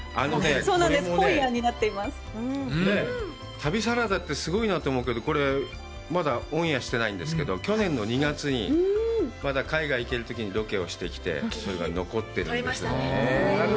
旅サラダってすごいなと思うけど、これ、まだオンエアしてないんですけど、去年の２月にまだ海外行けるときにロケをしてきて、それが残ってるんですよね。